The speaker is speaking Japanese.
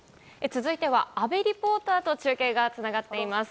続いては阿部リポーターと中継が繋がっています。